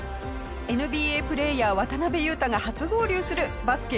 ＮＢＡプレーヤー渡邊雄太が初合流するバスケ